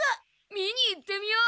見に行ってみよう。